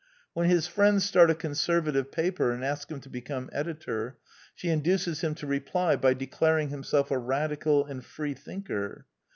When his friends stirt a Conservative paper and ask hirh to become editor, she induces him to reply by declaring himself a Radical and Freethinker.